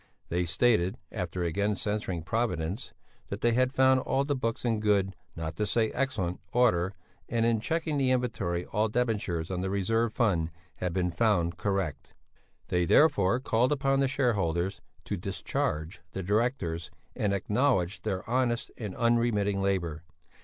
They stated after again censuring Providence that they had found all the books in good not to say excellent order, and in checking the inventory all debentures on the reserve fund had been found correct (!) They therefore called upon the shareholders to discharge the directors and acknowledge their honest and unremitting labour.